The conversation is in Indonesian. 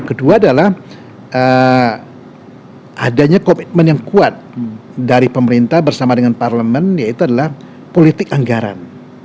kedua adalah adanya komitmen yang kuat dari pemerintah bersama dengan parlemen yaitu adalah politik anggaran